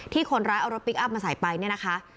คนร้ายเอารถพลิกอัพมาใส่ไปเนี่ยนะคะ